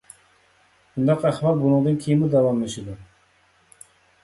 بۇنداق ئەھۋال بۇنىڭدىن كېيىنمۇ داۋاملىشىدۇ.